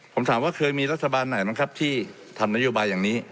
ผมถามว่าเคยมีรัฐบาลไหนบ้างครับที่ทำนโยบายอย่างนี้